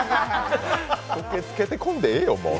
時計着けてこんでええよ、もう。